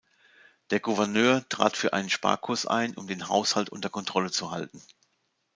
Der Gouverneur trat für einen Sparkurs ein, um den Haushalt unter Kontrolle zu halten.